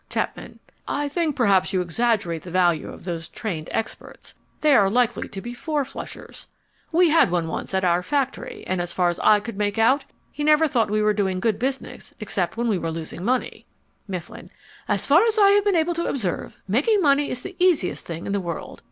CHAPMAN I think perhaps you exaggerate the value of those trained experts. They are likely to be fourflushers. We had one once at our factory, and as far as I could make out he never thought we were doing good business except when we were losing money. MIFFLIN As far as I have been able to observe, making money is the easiest thing in the world.